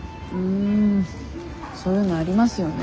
んそういうのありますよね。